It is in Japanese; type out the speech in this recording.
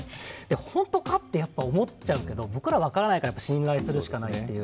本当か？って思っちゃうけど僕ら分からないから信頼するしかないっていう。